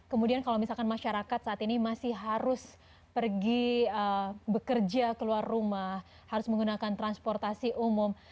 kemudian kalau misalkan masyarakat saat ini masih harus pergi bekerja keluar rumah harus menggunakan transportasi umum